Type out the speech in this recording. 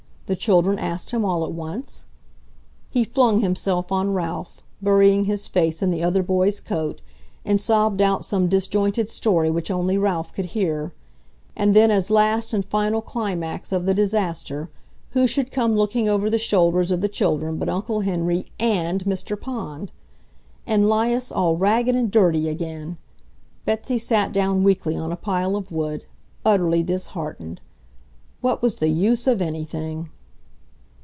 the children asked him all at once. He flung himself on Ralph, burying his face in the other boy's coat, and sobbed out some disjointed story which only Ralph could hear ... and then as last and final climax of the disaster, who should come looking over the shoulders of the children but Uncle Henry AND Mr. Pond! And 'Lias all ragged and dirty again! Betsy sat down weakly on a pile of wood, utterly disheartened. What was the use of anything!